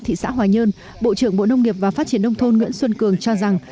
thị xã hòa nhơn bộ trưởng bộ nông nghiệp và phát triển nông thôn nguyễn xuân cường cho rằng